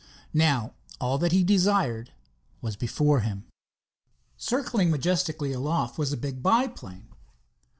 Now all that he had desired was before him. Circling majestically aloft was a big biplane.